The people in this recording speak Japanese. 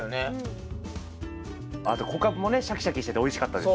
あと小カブもねシャキシャキしてておいしかったです。